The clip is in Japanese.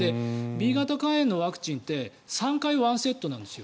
Ｂ型肝炎のワクチンって３回１セットなんです。